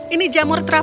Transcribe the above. ini jamur terapung